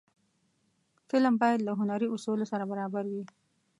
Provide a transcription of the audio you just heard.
فلم باید له هنري اصولو سره برابر وي